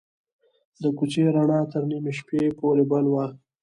د کوڅې رڼا تر نیمې شپې پورې بل وه.